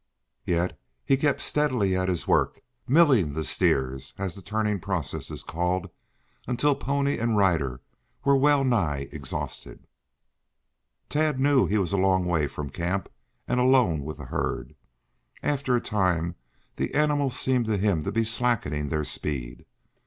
Yet he kept steadily at his work, "milling" the steers, as the turning process is called, until pony and rider were well nigh exhausted. Tad knew he was a long way from camp and alone with the herd. After a time the animals seemed to him to be slackening their speed.